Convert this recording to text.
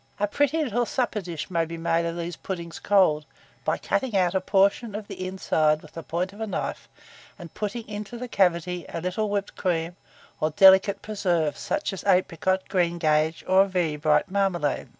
A pretty little supper dish may be made of these puddings cold, by cutting out a portion of the inside with the point of a knife, and putting into the cavity a little whipped cream or delicate preserve, such as apricot, greengage, or very bright marmalade.